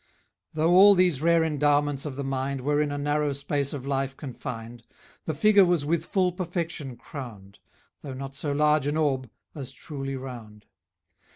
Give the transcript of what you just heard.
Though all these rare endowments of the mind Were in a narrow space of life confined, The figure was with full perfection crowned; Though not so large an orb, as truly round.